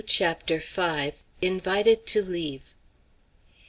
CHAPTER V. INVITED TO LEAVE.